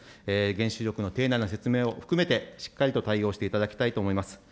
原子力の丁寧な説明を含めて、しっかりと対応していただきたいと思います。